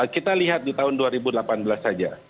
kita lihat di tahun dua ribu delapan belas saja